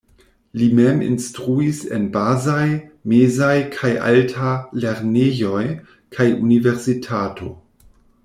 Li mem instruis en bazaj, mezaj kaj alta lernejoj kaj universitato.